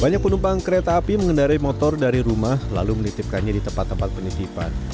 banyak penumpang kereta api mengendarai motor dari rumah lalu menitipkannya di tempat tempat penitipan